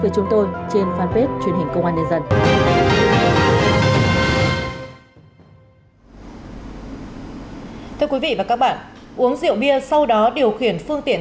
chức năng dừng phương tiện